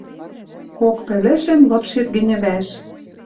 Кок пӹлӹшӹм лыпшет гӹньӹ вӓш.